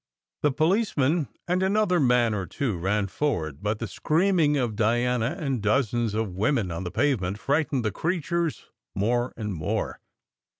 The policeman and another man or two ran forward, but the screaming of Diana and dozens of women on the pavement frightened the creatures more and more.